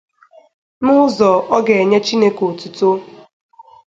n'ụzọ ọ ga-enye Chineke òtùtó.